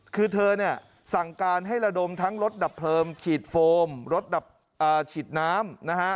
คือเธอสั่งการให้ระดมทั้งรถดับเพลิมขีดโฟมรถดับขีดน้ำ